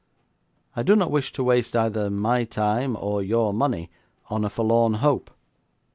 I do not wish to waste either my time or your money on a forlorn hope.